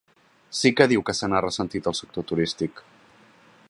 Sí que diu que se n’ha ressentit el sector turístic.